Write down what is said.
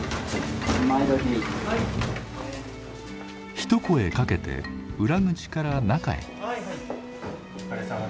一声かけて裏口から中へ。